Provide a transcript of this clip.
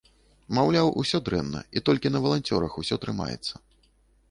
Маўляў, усё дрэнна і толькі на валанцёрах усё трымаецца.